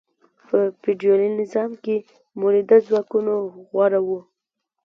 په فیوډالي نظام کې مؤلده ځواکونه غوره وو.